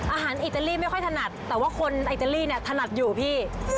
อิตาลีไม่ค่อยถนัดแต่ว่าคนอิตาลีเนี่ยถนัดอยู่พี่